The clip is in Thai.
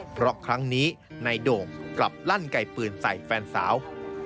เพราะครั้งนี้นายโด่งกลับลั่นไก่ปืนใส่แฟนสาว